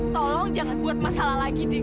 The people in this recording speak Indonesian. tolong jangan buat masalah lagi deh